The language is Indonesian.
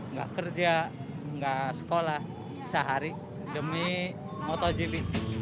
nggak kerja nggak sekolah sehari demi motogp